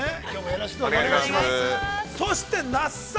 ◆よろしくお願いします。